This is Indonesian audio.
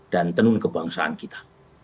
dan tenun kebangsaan kita